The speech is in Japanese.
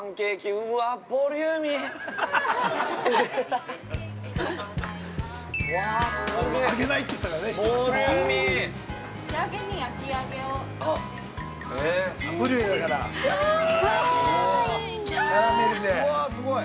◆うわぁ、すごい。